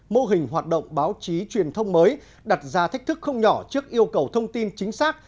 mô hình hoạt động báo chí truyền thông mới đặt ra thách thức không nhỏ trước yêu cầu thông tin chính xác